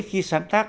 khi sáng tác